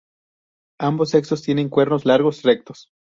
Ambos sexos tienen cuernos largos rectos.